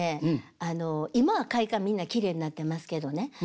あの今は会館みんなきれいになってますけどね